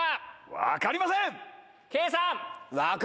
分かりません。